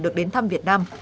được đến thăm việt nam